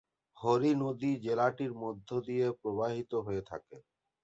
হরি নদী জেলাটির মধ্য দিয়ে প্রবাহিত হয়ে থাকে।